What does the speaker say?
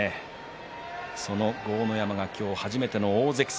その豪ノ山が今日初めての大関戦。